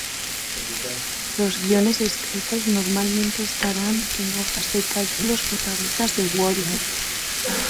Los guiones escritos normalmente estarán en hojas de cálculos o tablas de Word.